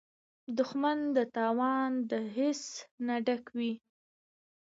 دښمن د تاوان د حس نه ډک وي